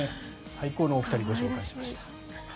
最高のお二人をご紹介しました。